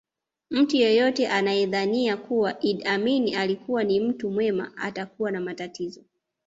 Mtu yeyote anayedhania kuwa Idi Amin alikuwa ni mtu mwema atakuwa na matatizo